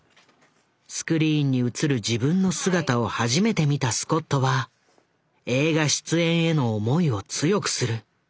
スクリーンに映る自分の姿を初めて見たスコットは映画出演への思いを強くする。